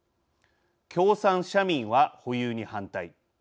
共産・社民は保有に反対。